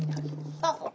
そうそう。